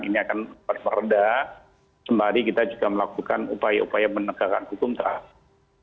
ini akan berperda kemudian kita juga melakukan upaya upaya menegakkan hukum terhadap